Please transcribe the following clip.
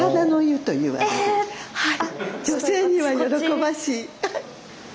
女性には喜ばしい。